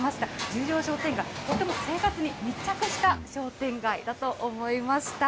十条商店街、とても生活に密着した商店街だと思いました。